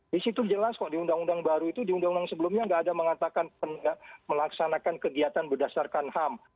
di situ jelas kok di undang undang baru itu di undang undang sebelumnya nggak ada mengatakan melaksanakan kegiatan berdasarkan ham